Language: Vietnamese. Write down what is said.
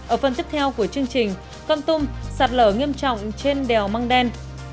ở phần tiếp theo của chương trình con tum sạt lở nghiêm trọng trên đèo măng đen